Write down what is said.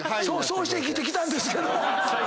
そうして生きてきたんですけど。